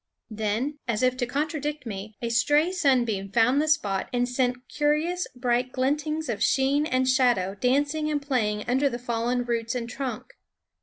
Then, as if to contradict me, a stray sunbeam found the spot and sent curious bright glintings of sheen and shadow dan cing and playing under the fallen roots and trunk.